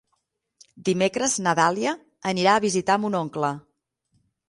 Dimecres na Dàlia anirà a visitar mon oncle.